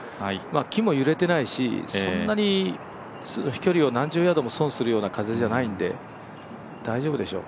木も揺れてないし、そんなに飛距離を何十ヤードも損するような風じゃないので大丈夫でしょう。